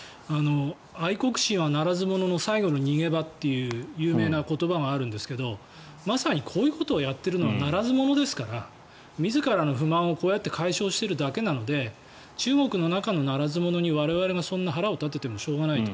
愛国心はならず者の最後の逃げ場という有名な言葉があるんですがまさにこういうことをやっているのはならず者ですから自らの不満をこうやって解消しているだけなので中国の中のならず者に我々が腹を立ててもしょうがないと。